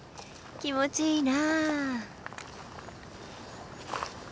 気持ちいいな。